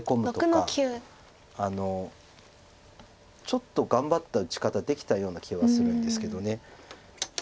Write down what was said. ちょっと頑張った打ち方できたような気がするんですけど。